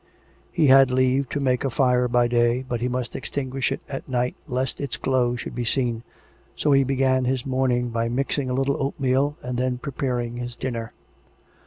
He had leave to make a fire by day, but he must extinguish it at night lest 404 COME RACK! COME ROPE! its glow should be seen, so he began his morning by mixing a little oatmeal, and then preparing his dinner.